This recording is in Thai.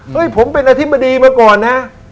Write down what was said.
ผมเป็นอธิบดีมาก่อนนะ